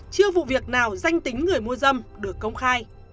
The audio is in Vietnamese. chưa vụ việc nào danh tính người mua dâm được công khai